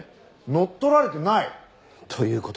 乗っ取られてない？という事は。